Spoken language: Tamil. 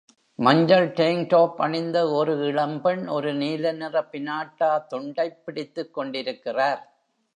மஞ்சள் டேங்க் டாப் அணிந்த ஒரு இளம் பெண் ஒரு நீல நிற பினாட்டா துண்டைப் பிடித்துக்கொண்டிருக்கிறார்.